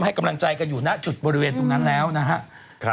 ให้กำลังใจกันอยู่ณจุดบริเวณตรงนั้นแล้วนะครับ